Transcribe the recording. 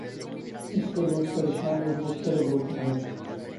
اس سے لوگ پریشان اور مضطرب ہوتے ہیں۔